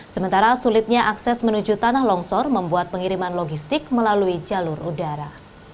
sementara sulitnya akses menuju tanah longsor membuat pengiriman logistik melalui jalur udara